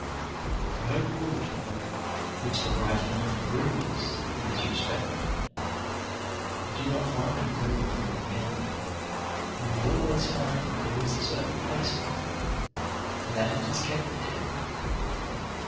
I hope all of you know which the right end of the broom is in this respect. You do not find the broom on the wrong end, and you always find that there is a certain place for it, and that it is kept there.